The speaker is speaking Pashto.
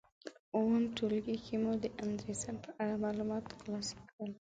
په اووم ټولګي کې مو د اندرسن په اړه معلومات تر لاسه کړل.